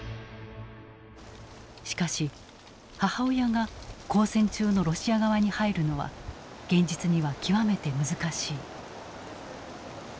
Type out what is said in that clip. しかし母親が交戦中のロシア側に入るのは現実には極めて難しい。